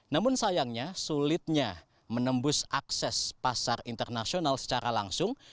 namun sayangnya sulitnya menembus akses pasar internasional secara langsung